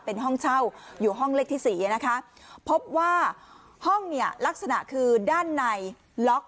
เป็นห้องเช่าอยู่ห้องเลขที่สี่นะคะพบว่าห้องเนี่ยลักษณะคือด้านในล็อก